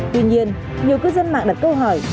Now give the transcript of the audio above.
tuy nhiên nhiều cư dân mạng đặt câu hỏi